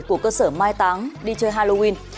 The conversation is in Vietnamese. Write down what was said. của cơ sở mai táng đi chơi halloween